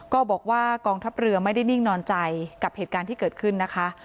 ก็บอกว่ากองทัพเรือไม่ได้นิ่งนอนใจกับเหตุการณ์ที่เกิดขึ้นนะคะ